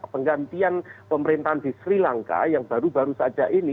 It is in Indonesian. penggantian pemerintahan di sri lanka yang baru baru saja ini